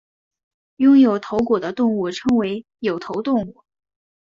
拥有头骨的动物称为有头动物。